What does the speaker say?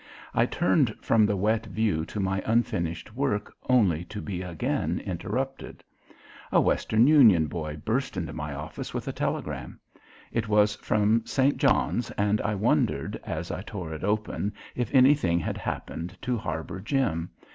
I turned from the wet view to my unfinished work only to be again interrupted. A Western Union boy burst into my office with a telegram. It was from St. John's and I wondered as I tore it open if anything had happened to Harbor Jim.